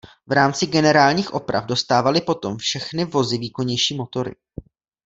V rámci generálních oprav dostávaly potom všechny vozy výkonnější motory.